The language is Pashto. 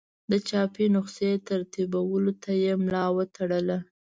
د چاپي نسخې ترتیبولو ته یې ملا وتړله.